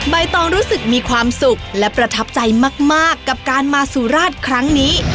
ใบตองรู้สึกมีความสุขและประทับใจมากกับการมาสุราชครั้งนี้